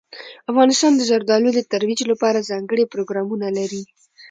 افغانستان د زردالو د ترویج لپاره ځانګړي پروګرامونه لري.